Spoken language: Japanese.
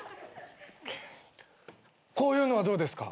こういうのはどうですか？